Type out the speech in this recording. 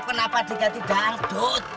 kenapa diganti dangdut